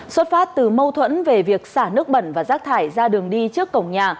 xuất phát từ mâu thuẫn về việc xả nước bẩn và rác thải ra đường đi trước cổng nhà